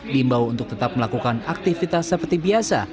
diimbau untuk tetap melakukan aktivitas seperti biasa